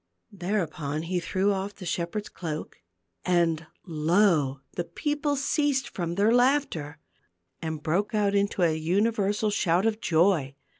Thereupon he threw off the shepherd's cloak, and lo ! the people ceased from their laughter, and broke out into an universal shout of joy.